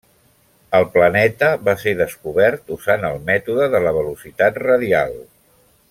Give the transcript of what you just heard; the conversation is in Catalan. El planeta va ser descobert usant el mètode de la velocitat radial.